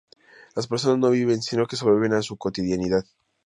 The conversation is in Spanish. Las personas no viven, sino que sobreviven a su cotidianidad.